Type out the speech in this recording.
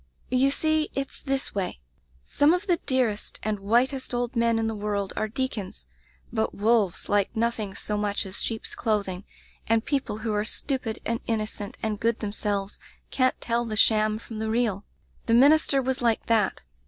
"You see, it's this way — some of the dearest and whitest old men in the world are deacons, but wolves like nothing so much as sheep's clothing, and people who are stupid and innocent and good themselves can't tell the sham from the real. The minister was like that.